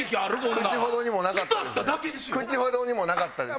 口ほどにもなかったです。